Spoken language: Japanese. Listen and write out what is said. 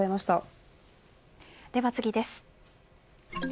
では次です。